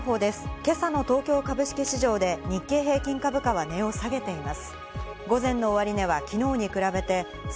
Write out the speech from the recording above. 今朝の東京株式市場で日経平均株価は値を下げています。